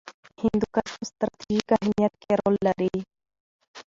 هندوکش په ستراتیژیک اهمیت کې رول لري.